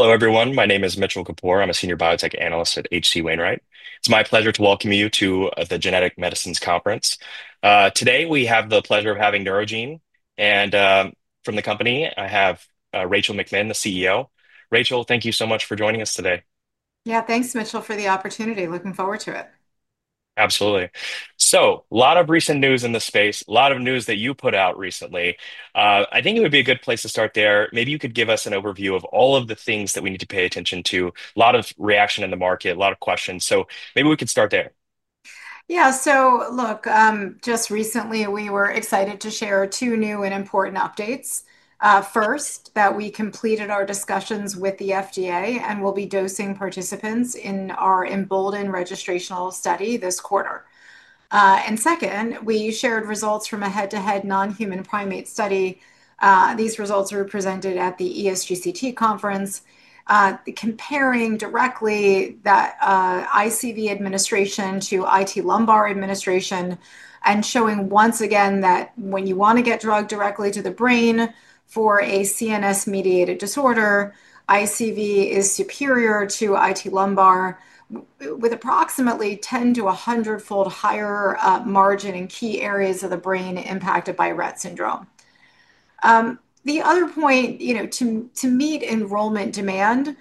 Hello everyone, my name is Mitchell Kapoor, I'm a Senior Biotech Analyst at H.C. Wainwright. It's my pleasure to welcome you to the Genetic Medicines Conference. Today we have the pleasure of having Neurogene Inc. and from the company I have Rachel McMinn, the CEO. Rachel, thank you so much for joining us today. Yeah, thanks Mitchell for the opportunity. Looking forward to it. Absolutely. A lot of recent news in the space, a lot of news that you put out recently. I think it would be a good place to start there. Maybe you could give us an overview of all of the things that we need to pay attention to. A lot of reaction in the market, a lot of questions. Maybe we could start there. Yeah. Just recently we were excited to share two new and important updates. First, that we completed our discussions with the FDA and we'll be dosing participants in our embolden registrational study this quarter. Second, we shared results from a head-to-head non-human primate study. These results were presented at the ESGCT conference comparing directly that ICV administration to IT lumbar administration and showing once again that when you want to get drug directly to the brain for a CNS mediated disorder, ICV is superior to IT lumbar with approximately 10 to 100-fold higher margin in key areas of the brain impacted by Rett syndrome. The other point, to meet enrollment demand,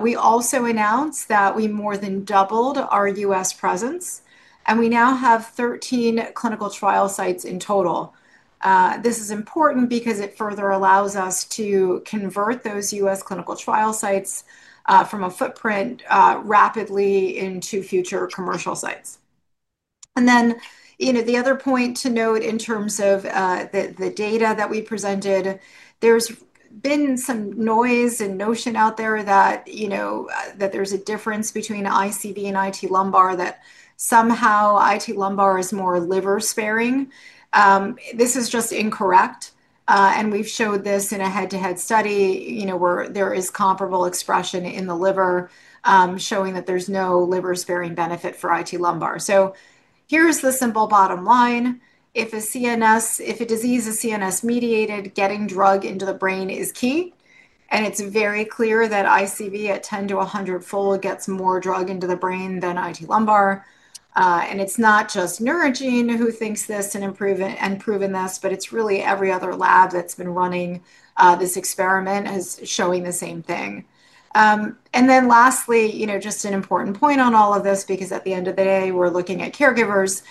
we also announced that we more than doubled our U.S. presence and we now have 13 clinical trial sites in total. This is important because it further allows us to convert those U.S. clinical trial sites from a footprint rapidly into future commercial sites. Another point to note, in terms of the data that we presented, there's been some noise and notion out there that there's a difference between ICV and IT lumbar, that somehow IT lumbar is more liver sparing. This is just incorrect. We've showed this in a head-to-head study where there is comparable expression in the liver, showing that there's no liver-sparing benefit for IT lumbar. Here's the simple bottom line. If a disease is CNS mediated, getting drug into the brain is key. It's very clear that ICV at 10, 100-fold gets more drug into the brain than IT lumbar. It's not just Neurogene who thinks this and proven this, but it's really every other lab that's been running this experiment is showing the same thing. Lastly, just an important point on all of this because at the end of the day we're looking at caregivers,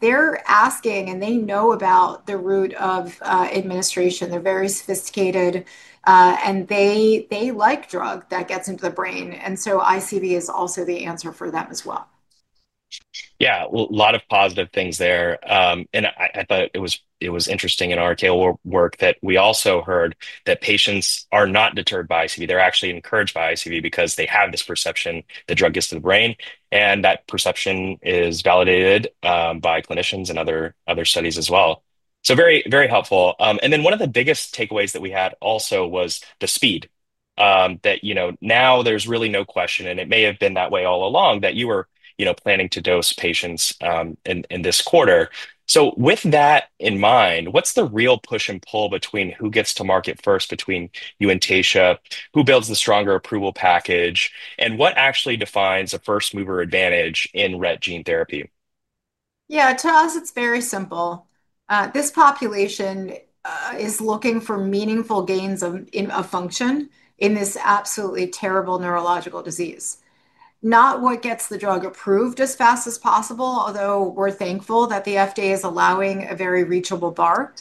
they're asking and they know about the route of administration. They're very sophisticated and they like drug that gets into the brain. ICV is also the answer for them as well. Yeah, a lot of positive things there. I thought it was interesting in our tail work that we also heard that patients are not deterred by ICV. They're actually encouraged by ICV because they have this perception the drug gets to the brain, and that perception is validated by clinicians and other studies as well. Very, very helpful. One of the biggest takeaways that we had also was the speed that now there's really no question, and it may have been that way all along, that you were planning to dose patients in this quarter. With that in mind, what's the real push and pull between who gets to market first, between you and Taysha, who builds the stronger approval package, and what actually defines a first move advantage in Rett gene therapy? Yeah, to us it's very simple. This population is looking for meaningful gains of function in this absolutely terrible neurological disease, not what gets the drug approved as fast as possible. Although we're thankful that the FDA is allowing a very reachable bar,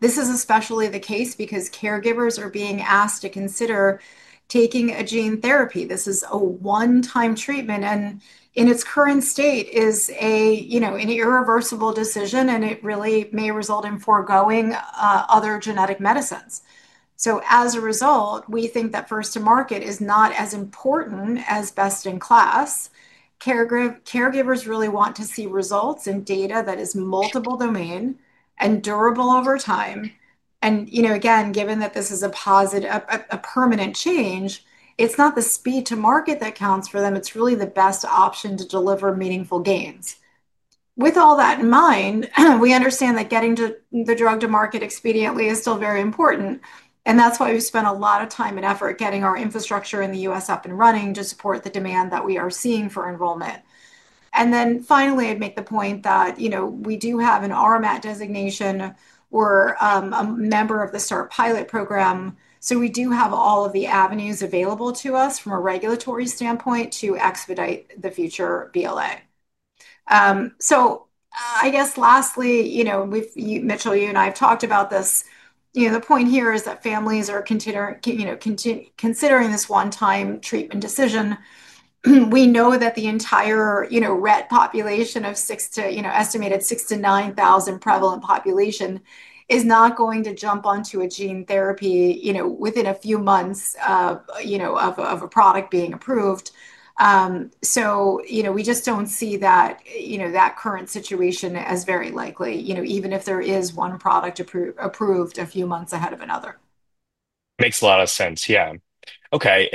this is especially the case because caregivers are being asked to consider taking a gene therapy. This is a one time treatment and in its current state is an irreversible decision. It really may result in foregoing other genetic medicines. As a result, we think that first to market is not as important as best in class. Caregivers really want to see results in data that is multiple domain and durable over time. Given that this is a permanent change, it's not the speed to market that counts for them. It's really the best option to deliver meaningful gains. With all that in mind, we understand that getting the drug to market expediently is still very important. That's why we spent a lot of time and effort getting our infrastructure in the U.S. up and running to support the demand that we are seeing for enrollment. Finally, I'd make the point that we do have an RMAT designation or are a member of the SAR pilot program. We do have all of the avenues available to us from a regulatory standpoint to expedite the future BLA. Lastly, Mitchell, you and I have talked about this. The point here is that families are considering this one time treatment decision. We know that the entire Rett population of estimated 6,000 to 9,000 prevalent population is not going to jump onto a gene therapy within a few months of a product being approved. We just don't see that current situation as very likely, even if there is one product approved a few months ahead of another. Makes a lot of sense. Okay.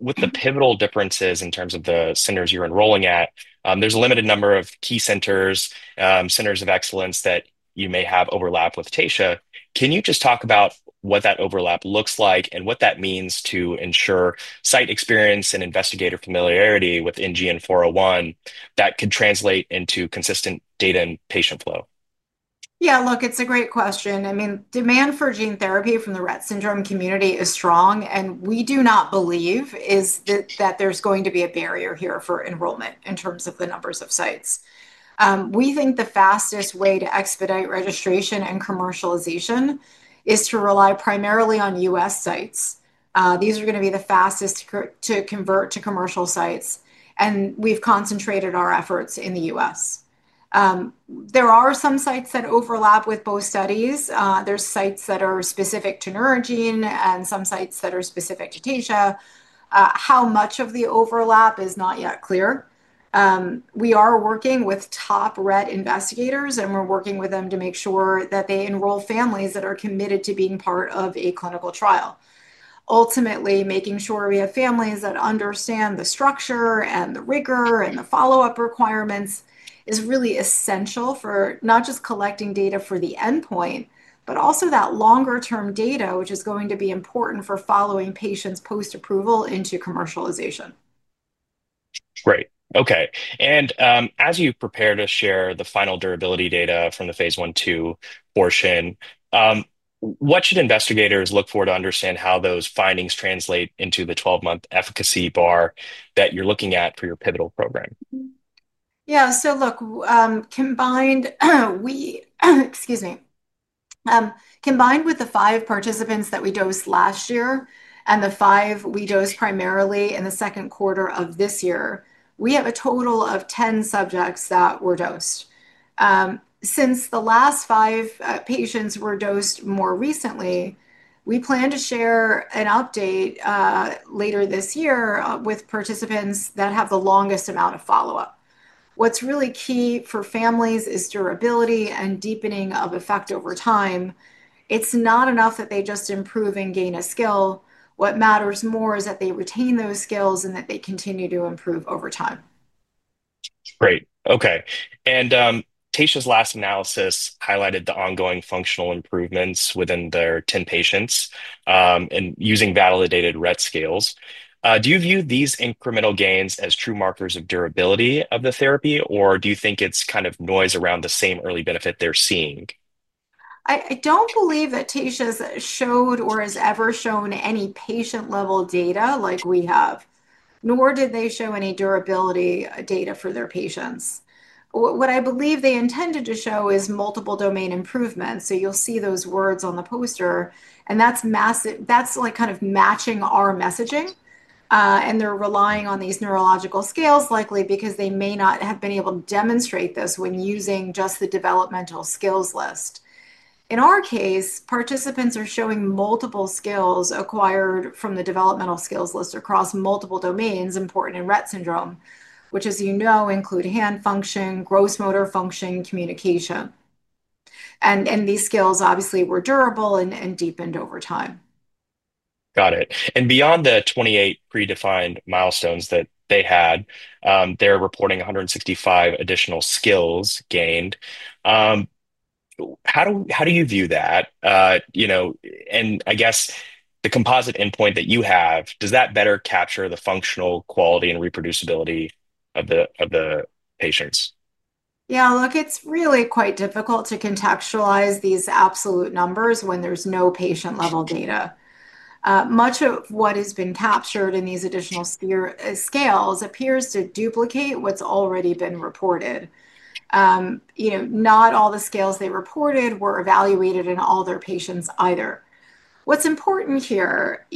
With the pivotal differences in terms of the centers you're enrolling at, there's a limited number of key centers, centers of excellence, that you may have overlap with. Taysha, can you just talk about what that overlap looks like and what that means to ensure site experience and Investigator Familiarity with NGN-401 that could translate into consistent data and patient flow? Yeah, look, it's a great question. I mean, demand for gene therapy from the Rett syndrome community is strong and we do not believe that there's going to be a barrier here for enrollment in terms of the numbers of sites. We think the fastest way to expedite registration and commercialization is to rely primarily on U.S. sites. These are going to be the fastest to convert to commercial sites. We've concentrated our efforts in the U.S. There are some sites that overlap with both studies. There are sites that are specific to Neurogene and some sites that are specific to Taysha. How much of the overlap is not yet clear. We are working with top Rett investigators and we're working with them to make sure that they enroll families that are committed to being part of a clinical trial. Ultimately, making sure we have families that understand the structure and the rigor and the follow-up requirements is really essential for not just collecting data for the endpoint, but also that longer term data which is going to be important for following patients post approval into commercialization. Great. Okay. As you prepare to share the final durability data from the phase 1/2 portion, what should investigators look for to understand how those findings translate into the 12-month efficacy bar that you're looking at for your pivotal program? Combined with the five participants that we dosed last year and the five we dosed primarily in the second quarter of this year, we have a total of 10 subjects that were dosed. Since the last five patients were dosed more recently, we plan to share an update later this year with participants that have the longest amount of follow up. What's really key for families is durability and deepening of effect over time. It's not enough that they just improve and gain a skill. What matters more is that they retain those skills and that they continue to improve over time. Great. Okay. Taysha's last analysis highlighted the ongoing functional improvements within their 10 patients, and using validated Rett scales. Do you view these incremental gains as true markers of durability of the therapy, or do you think it's kind of noise around the same early benefit they're seeing? I don't believe that Taysha showed or has ever shown any patient-level data like we have, nor did they show any durability data for their patients. What I believe they intended to show is multiple domain improvements. You'll see those words on the poster, and that's kind of matching our messaging. They're relying on these neurological scales, likely because they may not have been able to demonstrate this when using just the developmental skills list. In our case, participants are showing multiple skills acquired from the developmental skills list across multiple domains important in Rett syndrome, which, as you know, include hand function, gross motor function, communication. These skills obviously were durable and deepened over time. Got it. Beyond the 28 predefined milestones that they had, they're reporting 165 additional skills gained. How do you view that? I guess the composite endpoint that you have, does that better capture the functional quality and reproducibility of the patients? Yeah, look, it's really quite difficult to contextualize these absolute numbers when there's no patient-level data. Much of what has been captured in these additional scales appears to duplicate what's already been reported. Not all the scales they reported were evaluated in all their patients either. What's important here?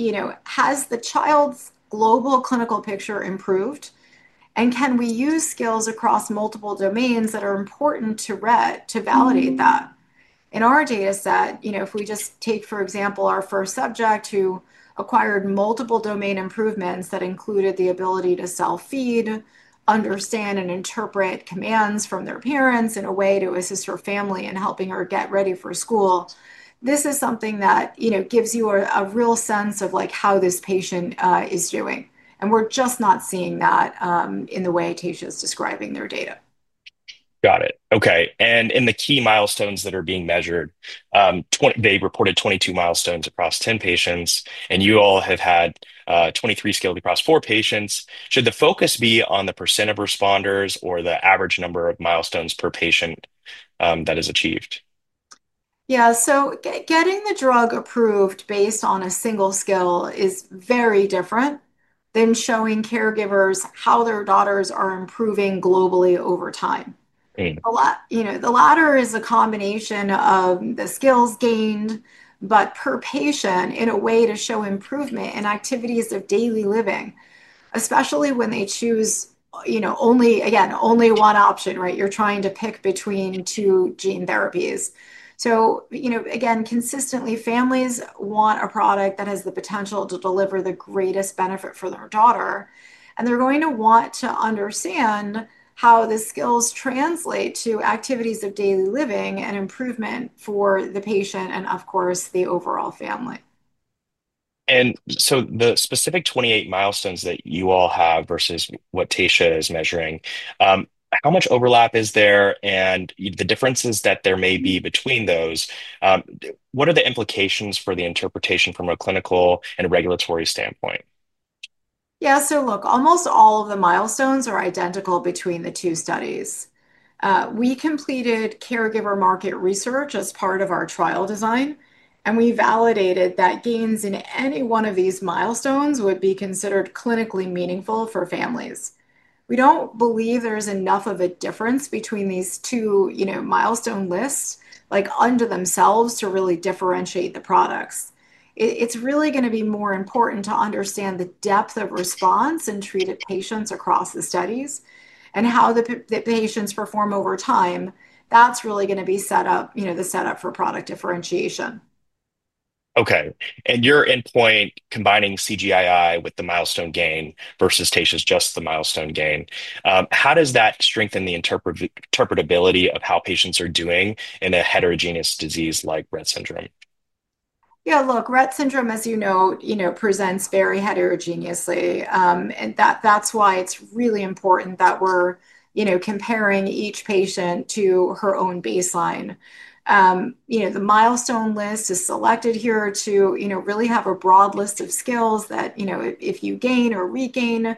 Has the child's global clinical picture improved? Can we use scales across multiple domains that are important to Rett to validate that in our data set? If we just take, for example, our first subject, who acquired multiple domain improvements that included the ability to self-feed, understand, and interpret commands from their parents in a way to assist her family in helping her get ready for school, this is something that gives you a real sense of how this patient is doing. We're just not seeing that in the way Taysha is describing their data. Got it. Okay. In the key milestones that are being measured, they reported 22 milestones across 10 patients. You all have had 23 scaled across four patients. Should the focus be on the % of responders or the average number of milestones per patient that is achieved? Getting the drug approved based on a single skill is very different than showing caregivers how their daughters are improving globally over time. The latter is a combination of the skills gained, but per patient in a way to show improvement in activities of daily living, especially when they choose only one option. You're trying to pick between two gene therapies. Consistently, families want a product that has the potential to deliver the greatest benefit for their daughter, and they're going to want to understand how the skills translate to activities of daily living and improvement for the patient and, of course, the overall family. The specific 28 milestones that you all have versus what Taysha is measuring, how much overlap is there and the differences that there may be between those, what are the implications for the interpretation from a clinical and regulatory standpoint? Yeah, look, almost all of the milestones are identical between the two studies. We completed caregiver market research as part of our trial design, and we validated that gains in any one of these milestones would be considered clinically meaningful for families. We don't believe there's enough of a difference between these two milestone lists unto themselves to really differentiate the products. It's really going to be more important to understand the depth of response in treated patients across the studies and how the patients perform over time. That's really going to be the setup for product differentiation. Okay, and your endpoint, combining CGII with the milestone gain versus Taysha's, just the milestone gain, how does that strengthen the interpretability of how patients are doing in a heterogeneous disease like Rett syndrome? Yeah, look, Rett syndrome, as you know, presents very heterogeneously, and that's why it's really important that we're comparing each patient to her own baseline. The milestone list is selected here to really have a broad list of skills that, if you gain or regain,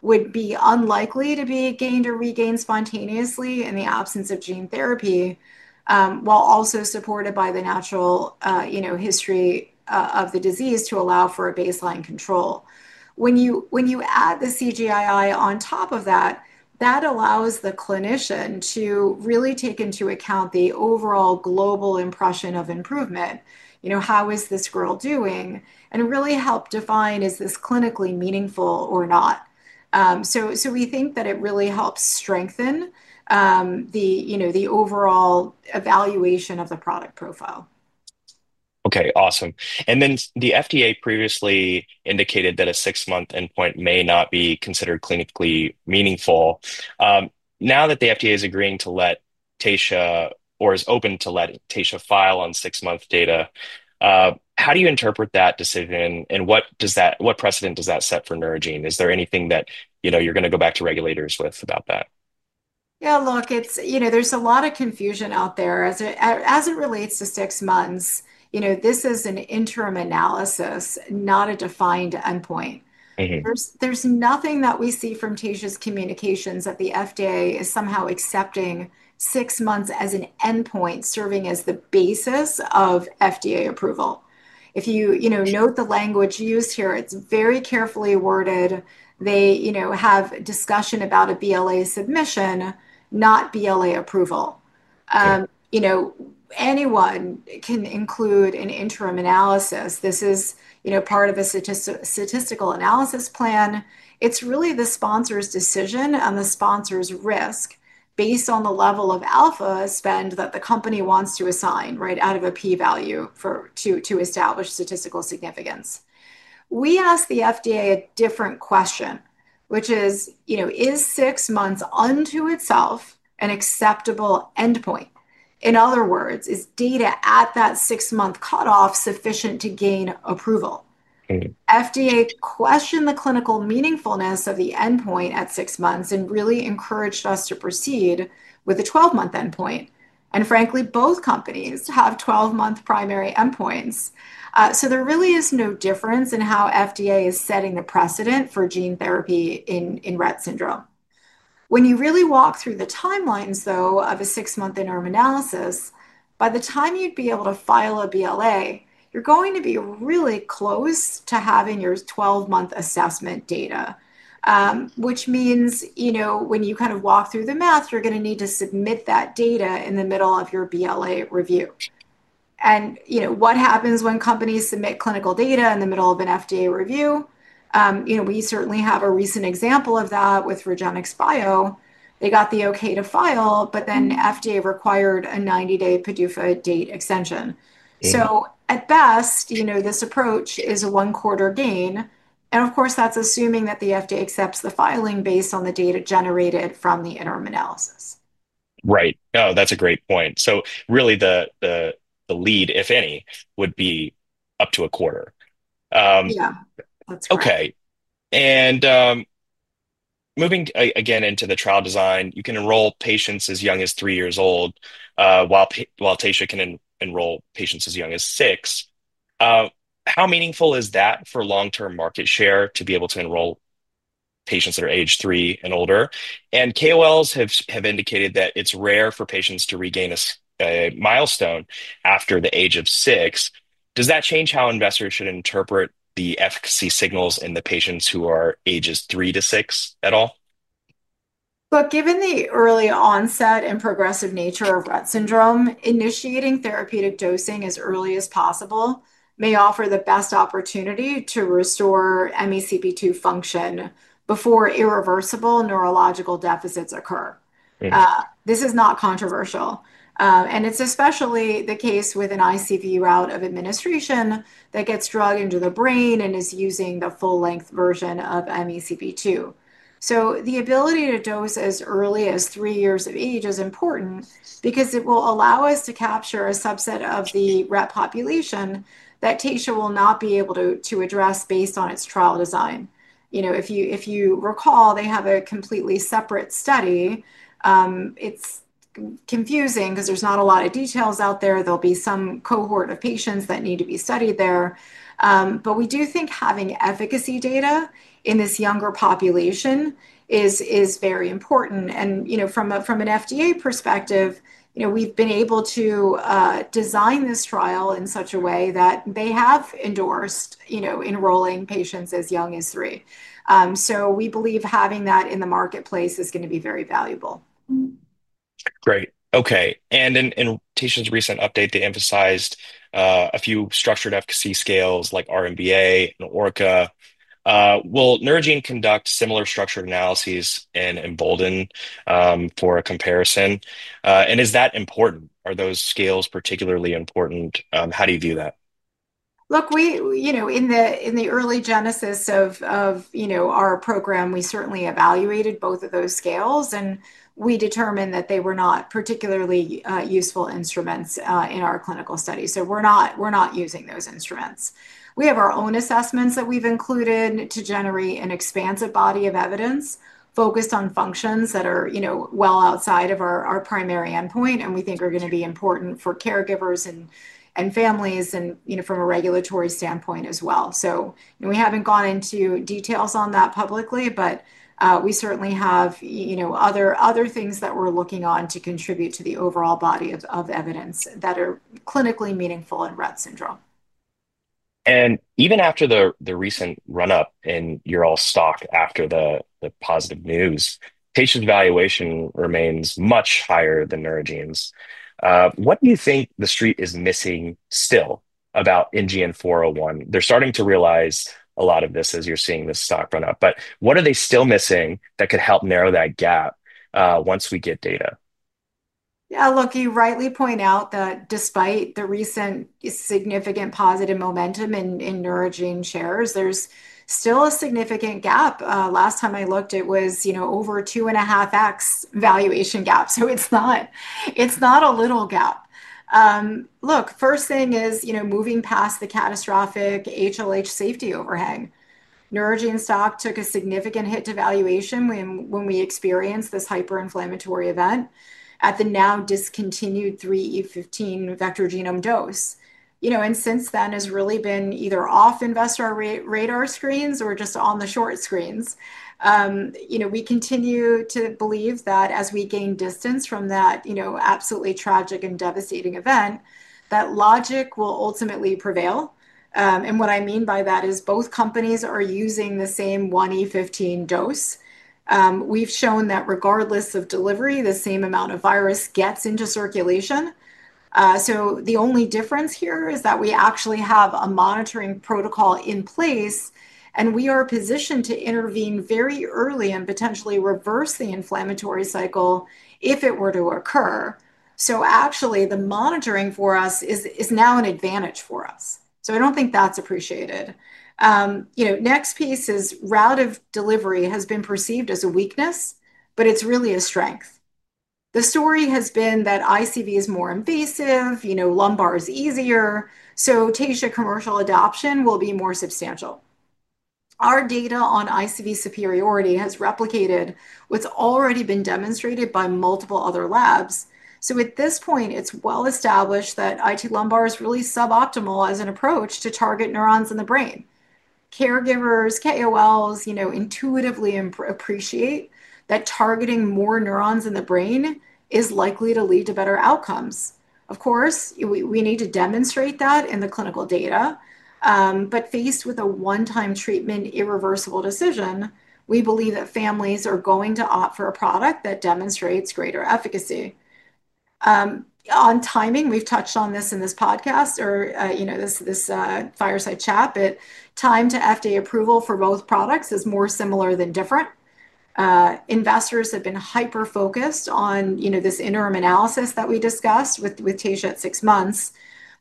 would be unlikely to be gained or regained spontaneously in the absence of gene therapy, while also supported by the natural history of the disease. To allow for a baseline control, when you add the CGII on top of that, that allows the clinician to really take into account the overall global impression of improvement. How is this girl doing? It really helps define, is this clinically meaningful or not? We think that it really helps strengthen the overall evaluation of the product profile. Okay, awesome. The FDA previously indicated that a six month endpoint may not be considered clinically meaningful. Now that the FDA is agreeing to let Taysha file on six month data, how do you interpret that decision and what precedent does that set for Neurogene? Is there anything that you know you're going to go back to regulators with about that? Yeah, look, there's a lot of confusion out there as it relates to six months. This is an interim analysis, not a defined endpoint. There's nothing that we see from Taysha Gene Therapies' communications that the FDA is somehow accepting six months as an endpoint, serving as the basis of FDA approval. If you note the language used here, it's very carefully worded. They have discussion about a BLA submission, not BLA approval. Anyone can include an interim analysis. This is part of a statistical analysis plan. It's really the sponsor's decision and the sponsor's risk based on the level of alpha spend that the company wants to assign right out of a P value to establish statistical significance. We asked the FDA a different question, which is, is six months unto itself an acceptable endpoint? In other words, is data at that six month cutoff sufficient to gain approval? FDA questioned the clinical meaningfulness of the endpoint at six months and really encouraged us to proceed with a 12 month endpoint. Frankly, both companies have 12 month primary endpoints. There really is no difference in how FDA is setting the precedent for gene therapy in Rett syndrome. When you really walk through the timelines of a six month interim analysis, by the time you'd be able to file a BLA, you're going to be really close to having your 12 month assessment data, which means when you kind of walk through the math, you're going to need to submit that data in the middle of your BLA review. You know what happens when companies submit clinical data in the middle of an FDA review. We certainly have a recent example of that with Regenexx Bio. They got the okay to file, but then FDA required a 90 day PDUFA date extension. At best, this approach is a 1/4 gain. Of course, that's assuming that the FDA accepts the filing based on the data generated from the interim analysis. That's a great point. Really, the lead, if any, would be up to a quarter. Yeah. Okay. Moving again into the trial design, you can enroll patients as young as three years old, while Taysha can enroll patients as young as six. How meaningful is that for long term market share to be able to enroll patients that are age 3 and older? KOLs have indicated that it's rare for patients to regain a milestone after the age of six. Does that change how investors should interpret the efficacy signals in the patients who are ages 3 to 6 at all? Given the early onset and progressive nature of Rett syndrome, initiating therapeutic dosing as early as possible may offer the best opportunity to restore MECP2 function before irreversible neurological deficits occur. This is not controversial, and it's especially the case with an ICV route of administration that gets drug into the brain and is using the full-length version of MECP2. The ability to dose as early as 3 years of age is important because it will allow us to capture a subset of the Rett population that Taysha Gene Therapies will not be able to address based on its trial design. If you recall, they have a completely separate study. It's confusing because there's not a lot of details out there. There will be some cohort of patients that need to be studied there. We do think having efficacy data in this younger population is very important from an FDA perspective. We've been able to design this trial in such a way that they have endorsed enrolling patients as young as 3. We believe having that in the marketplace is going to be very valuable. Great. Okay. In Taysha's recent update, they emphasized a few structured efficacy scales like R-MBA and ORCA. Will Neurogene conduct similar structured analyses in embolden for a comparison? Is that important? Are those scales particularly important? How do you view that? In the early genesis of our program, we certainly evaluated both of those scales and we determined that they were not particularly useful instruments in our clinical study. We're not using those instruments. We have our own assessments that we've included to generate an expansive body of evidence focused on functions that are well outside of our primary endpoint, and we think are going to be important for caregivers and families and from a regulatory standpoint as well. We haven't gone into details on that publicly, but we certainly have other things that we're looking on to contribute to the overall body of evidence that are clinically meaningful in Rett syndrome. Even after the recent run up in your stock after the positive news, patient valuation remains much higher than Neurogene's. What do you think the street is missing still about NGN-401? They're starting to realize a lot of this as you're seeing the stock run up, but what are they still missing that could help narrow that gap once we get data? Yeah, look, you rightly point out that despite the recent significant positive momentum in Neurogene shares, there's still a significant gap. Last time I looked, it was over 2.5x valuation gap. It's not a little gap. First thing is moving past the catastrophic HLH safety overhang. Neurogene stock took a significant hit to valuation when we experienced this hyperinflammatory event at the now discontinued 3e15 vector genome dose. Since then, it has really been either off investor radar screens or just on the short screens. We continue to believe that as we gain distance from that absolutely tragic and devastating event, logic will ultimately prevail. What I mean by that is both companies are using the same 1e15 dose. We've shown that regardless of delivery, the same amount of virus gets into circulation. The only difference here is that we actually have a monitoring protocol in place and we are positioned to intervene very early and potentially reverse the inflammatory cycle if it were to occur. Actually, the monitoring for us is now an advantage for us. I don't think that's appreciated. Next piece is route of delivery has been perceived as a weakness, but it's really a strength. The story has been that ICV is more invasive, lumbar is easier, so Taysha commercial adoption will be more substantial. Our data on ICV superiority has replicated what's already been demonstrated by multiple other labs. At this point, it's well established that IT lumbar is really suboptimal as an approach to target neurons in the brain. Caregivers, KOLs, you know, intuitively appreciate that targeting more neurons in the brain is likely to lead to better outcomes. Of course, we need to demonstrate that in the clinical data. Faced with a one-time treatment irreversible decision, we believe that families are going to opt for a product that demonstrates greater efficacy. On timing, we've touched on this in this podcast or, you know, this Fireside chat, but time to FDA approval for both products is more similar than different. Investors have been hyper focused on this interim analysis that we discussed with Taysha at six months.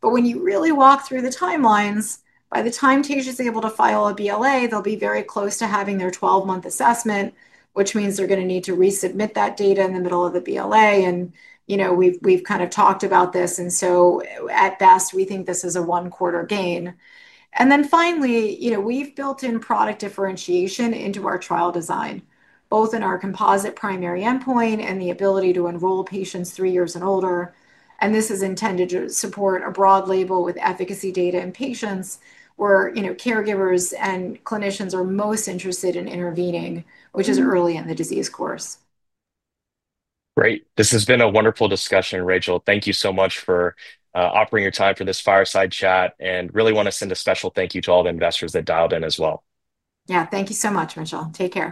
When you really walk through the timelines, by the time Taysha is able to file a BLA, they'll be very close to having their 12-month assessment, which means they're going to need to resubmit that data in the middle of the BLA. We've kind of talked about this and at best we think this is a quarter gain. Finally, we've built in product differentiation into our trial design both in our composite primary endpoint and the ability to enroll patients three years and older. This is intended to support a broad label with efficacy data in patients where caregivers and clinicians are most interested in intervening, which is early in the disease course. Great. This has been a wonderful discussion, Rachel. Thank you so much for offering your time for this Fireside Chat, and really want to send a special thank you to all the investors that dialed in as well. Yeah, thank you so much, Rachel. Take care.